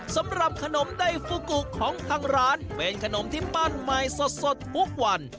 สำหรับขนมไดฟูกุของทางร้านเป็นขนมที่ปั้นใหม่สดทุกวัน